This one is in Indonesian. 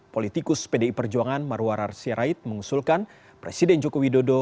politikus pdi perjuangan marwarar sirait mengusulkan presiden joko widodo